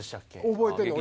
覚えてるの。